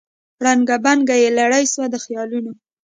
ړنګه بنګه یې لړۍ سوه د خیالونو